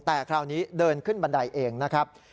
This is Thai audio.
แต่คราวนี้เดินขึ้นบันไดเองนะครับ